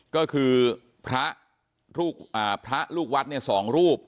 ก็คือพระลูกวัด๒รูป